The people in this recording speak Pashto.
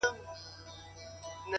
لـــكــه ښـــه اهـنـــگ ـ